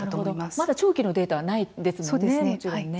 まだ長期のデータがないんですよね。